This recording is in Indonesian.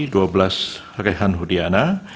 dua belas rehan hudiana